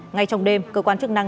ngay trong đêm cơ quan chức năng